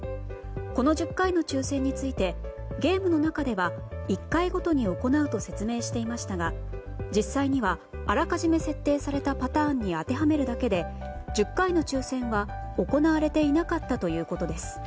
この１０回の抽選についてゲームの中では１回ごとに行うと説明していましたが実際にはあらかじめ設定したパターンに当てはめるだけで１０回の抽選は行われていなかったということです。